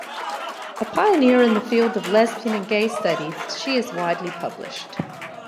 A pioneer in the field of lesbian and gay studies, she is widely published.